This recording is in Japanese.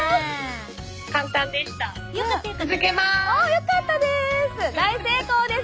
よかったです！